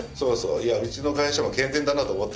いやうちの会社も健全だなと思ったよ